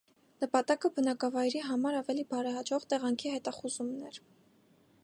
Նպատակը բնակավայրի համար ավելի բարեհաջող տեղանքի հետախուզումն էր։